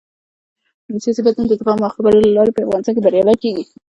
سیاسي بدلون د تفاهم او خبرو له لارې په افغانستان کې بریالی کېږي